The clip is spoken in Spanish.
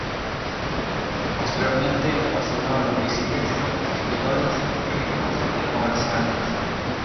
Posteriormente fue asignado a los visires, escritores, ricos y comerciantes.